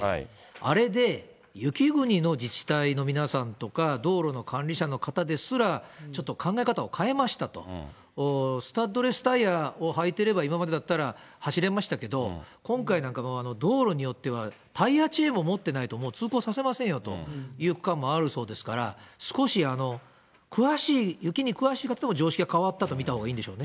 あれで雪国の自治体の皆さんとか、道路の管理者の方ですら、ちょっと考え方を変えましたと、スタッドレスタイヤをはいていれば、今までだったら走れましたけど、今回なんかもう、道路によってはタイヤチェーンも持ってないともう通行させませんよという区間もあるそうですから、少し詳しい、雪に詳しい方でも常識が変わったと見たほうがいいんでしょうね。